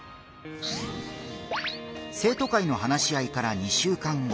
生徒会の話し合いから２週間後。